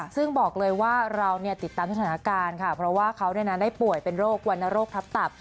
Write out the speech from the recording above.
ซึ่งบอกเลยว่าเราติดตามสถานการณ์ค่ะเพราะว่าเขาได้ป่วยเป็นโรควรรณโรคทับตับ